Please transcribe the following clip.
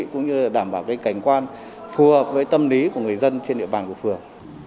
cũng như đảm bảo cảnh quan phù hợp với tâm lý của người dân trên địa bàn của phường